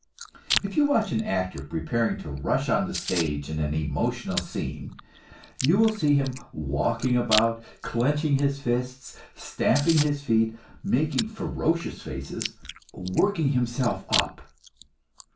If you watch an actor preparing to rush on the stage in an emotional scene, you will see him walking about, clenching his fists, stamping his feet, making ferocious faces, "working himself up."